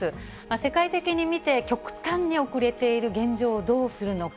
世界的に見て、極端に遅れている現状をどうするのか。